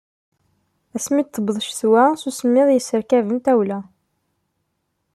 Asmi i d-tewweḍ ccetwa, s usemmiḍ i yesserkaben tawla.